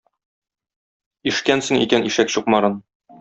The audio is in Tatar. Ишкәнсең икән ишәк чумарын.